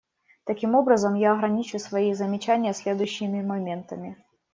Таким образом, я ограничу свои замечания следующими моментами.